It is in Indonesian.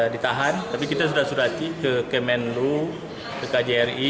ditahan tapi kita sudah surati ke kemenlu ke kjri